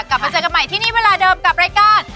กลับมาเจอกันใหม่ที่นี่เวลาเดิมกับรายการ